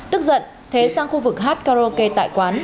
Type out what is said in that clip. tức giận thế sang khu vực hát karaoke tại quán